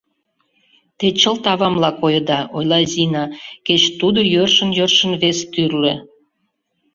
— Те чылт авамла койыда, — ойла Зина, — кеч тудо йӧршын, йӧршын вес тӱрлӧ.